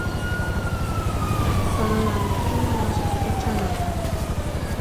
Sólo la víctima no sospecha nada.